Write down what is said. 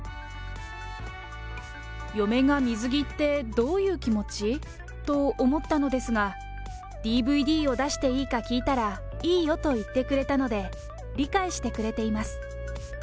嫁が水着ってどういう気持ち？と思ったのですが、ＤＶＤを出していいか聞いたら、いいよと言ってくれたので、理解してくれています。